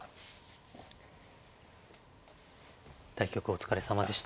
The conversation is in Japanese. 対局お疲れさまでした。